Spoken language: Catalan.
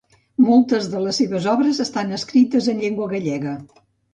Moltes de les seves obres estan escrites en llengua gallega.